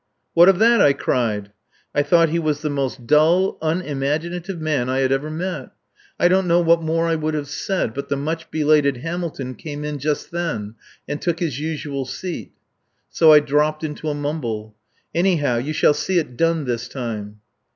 "What of that?" I cried. I thought he was the most dull, unimaginative man I had ever met. I don't know what more I would have said, but the much belated Hamilton came in just then and took his usual seat. So I dropped into a mumble. "Anyhow, you shall see it done this time."